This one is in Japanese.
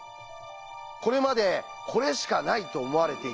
これまで「これしかない」と思われていた